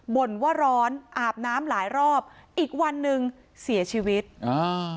บ่นว่าร้อนอาบน้ำหลายรอบอีกวันหนึ่งเสียชีวิตอ่า